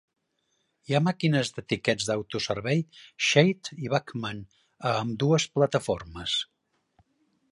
Hi ha màquines de tiquets d'autoservei Scheidt i Bachmann a ambdues plataformes.